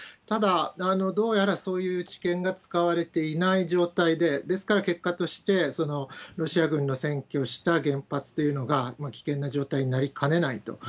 ただ、どうやらそういう知見が使われていない状態で、ですから、結果としてロシア軍の占拠した原発というのが危険な状態になりかねないと。